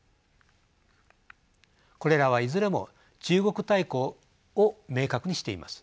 これらはいずれも中国対抗を明確にしています。